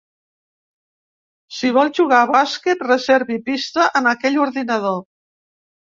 Si vol jugar a bàsquet, reservi pista en aquell ordinador.